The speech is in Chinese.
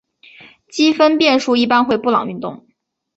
积分变数一般会布朗运动。